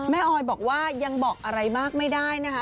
ออยบอกว่ายังบอกอะไรมากไม่ได้นะคะ